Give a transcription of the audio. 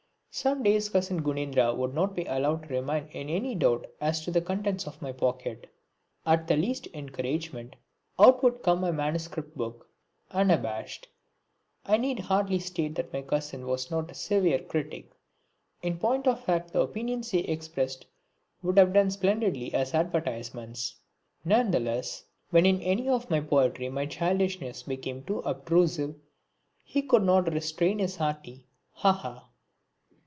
Some days cousin Gunendra would not be allowed to remain in any doubt as to the contents of my pocket. At the least encouragement out would come my manuscript book, unabashed. I need hardly state that my cousin was not a severe critic; in point of fact the opinions he expressed would have done splendidly as advertisements. None the less, when in any of my poetry my childishness became too obtrusive, he could not restrain his hearty "Ha! Ha!"